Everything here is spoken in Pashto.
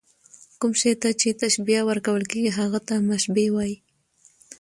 کوم شي ته چي تشبیه ورکول کېږي؛ هغه ته مشبه وايي.